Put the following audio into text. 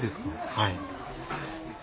はい。